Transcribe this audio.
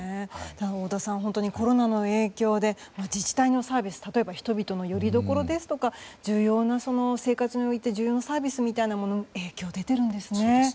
太田さん、コロナの影響で自治体のサービス例えば人々のよりどころですとか生活において重要なサービスに影響出てるんですね。